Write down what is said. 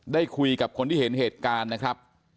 ได้คุยกับคนที่เห็นเหตุการณ์นะครับ